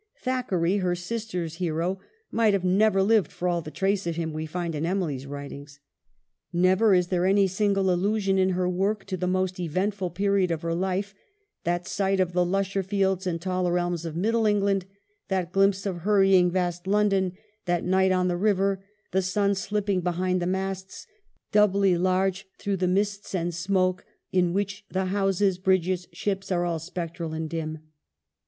Thackeray, her sister's hero, might have never lived for all the trace of him we find in Emily's writings ; never is there any single allu sion in her work to the most eventful period of her life, that sight of the lusher fields and taller elms of middle England ; that glimpse of hurry ing vast London ; that night on the river, the sun slipping behind the masts, doubly large through the mist and smoke in which the houses, bridges, ships, are all spectral and dim.